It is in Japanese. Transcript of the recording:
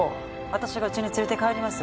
私がうちに連れて帰ります。